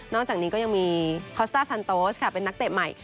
นอกจากนี้ก็ยังมีโคสต้าร์ทซานโต้ต้รเป็นนักเตะใหม่